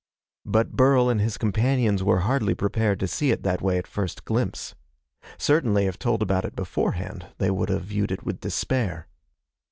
But Burl and his companions were hardly prepared to see it that way at first glimpse. Certainly if told about it beforehand, they would have viewed it with despair.